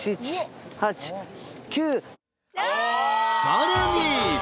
［さらに］